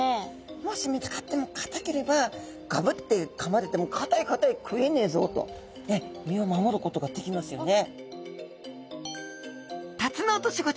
もし見つかってもかたければガブってかまれてもかたいかたい食えねえぞと身を守ることができますよね。